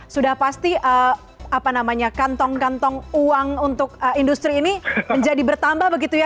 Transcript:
sudah pasti apa namanya kantong kantong uang untuk industri ini menjadi bertambah begitu ya